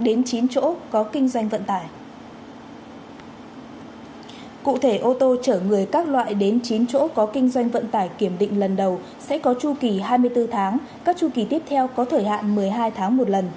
đến chín chỗ có kinh doanh vận tải kiểm định lần đầu sẽ có chu kỳ hai mươi bốn tháng các chu kỳ tiếp theo có thời hạn một mươi hai tháng một lần